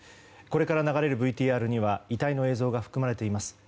これから流れるＶＴＲには遺体の映像が含まれています。